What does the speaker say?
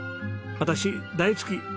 私大好き！